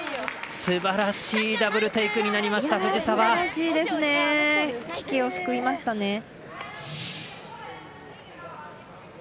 すばらしいダブルテイクになりました危機を救いましたね。